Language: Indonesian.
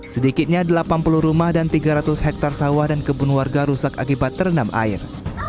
sedikitnya delapan puluh rumah dan tiga ratus hektare sawah dan kebun warga rusak akibat terendam air